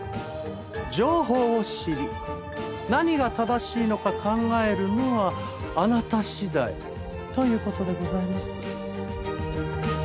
情報を知り何が正しいのか考えるのはあなた次第という事でございます。